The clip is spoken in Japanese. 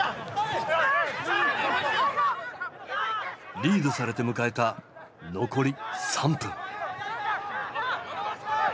リードされて迎えた残り３分。